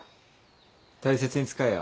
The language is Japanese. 大切に使えよ。